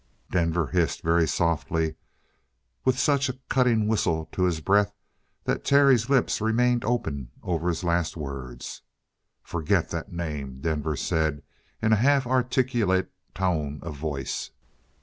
Denver hissed, very softly and with such a cutting whistle to his breath that Terry's lips remained open over his last word. "Forget that name!" Denver said in a half articulate tone of voice.